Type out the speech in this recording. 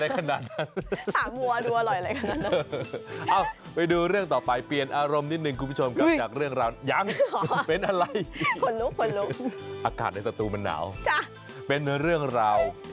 กูต้องทำเหมือนวัวสิ